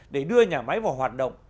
để đưa nhà máy vào hoạt động